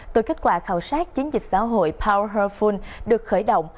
từ kết quả khảo sát chiến dịch xã hội poul được khởi động